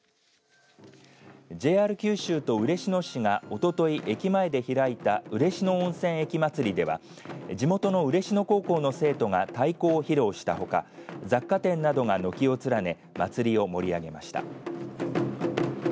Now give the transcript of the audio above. ＪＲ九州と嬉野市がおととい駅前で開いた嬉野温泉駅まつりでは地元の嬉野高校の生徒が太鼓を披露したほか雑貨店などが軒を連ね祭りを盛り上げました。